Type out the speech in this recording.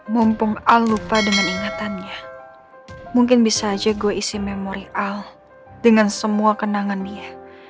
mumpung al lupa dengan ingatannya mungkin bisa aja gue isi memori al dengan semua kenangan dia